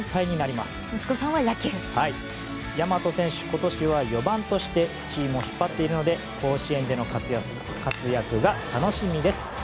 今年は４番としてチームを引っ張っているので甲子園での活躍が楽しみです。